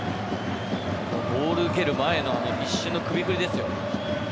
ボール、蹴る前の一瞬の首振りですよね。